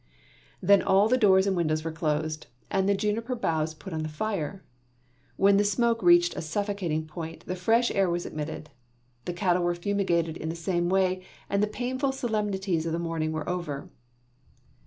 Then all the doors and windows were closed, and the juniper boughs put on the fire. When the smoke reached a suffocating point, the fresh air was admitted. The cattle were fumigated in the same way and the painful solemnities of the morning were over.